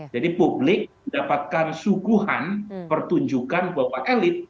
publik mendapatkan suguhan pertunjukan bahwa elit